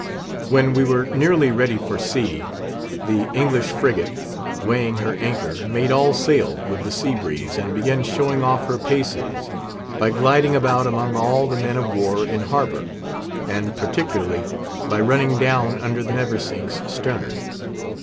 When we were nearly ready for sea, the English frigate, weighing her anchor, made all sail with the sea breeze, and began showing off her paces by gliding about among all the men of war in harbour, and particularly by running down under the Neversink's stern.